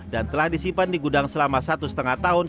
dan telah disimpan di gudang selama satu lima hari